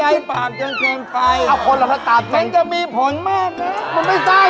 ไปอาบดูดมาไม่ได้ว่าจริงคุณพุทธพักอะไรจ๊ะ